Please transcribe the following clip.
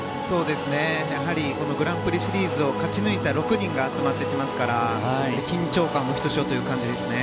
やはりこのグランプリシリーズを勝ち抜いた６人が集まってきますから、緊張感もひとしおという感じですね。